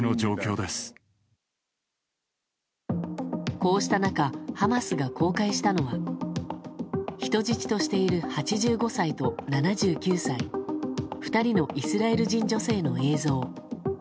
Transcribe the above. こうした中ハマスが公開したのは人質としている８５歳と７９歳２人のイスラエル人女性の映像。